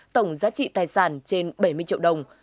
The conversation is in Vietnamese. tổng giá trị tài sản trên bảy mươi triệu đồng